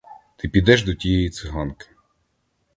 Ти підеш до тієї циганки.